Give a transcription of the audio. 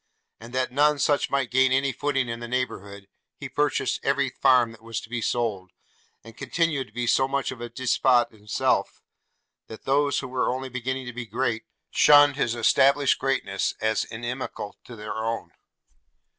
And that none such might gain any footing in the neighbourhood, he purchased every farm that was to be sold; and continued to be so much of a despot himself, that those who were only beginning to be great, shunned his established greatness as inimical to their own.